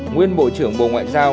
nguyên bộ trưởng bộ ngoại giao